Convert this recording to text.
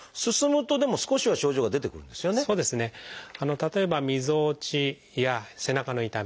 例えばみぞおちや背中の痛み